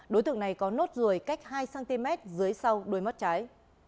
đối tượng này có nốt ruồi cách hai cm dưới sau đôi mắt trái